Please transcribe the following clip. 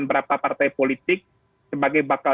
berapa partai politik sebagai bakal